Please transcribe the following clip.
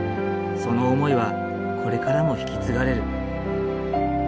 その思いはこれからも引き継がれる。